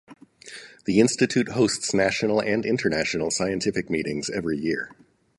The Institute hosts national and international scientific meetings every year.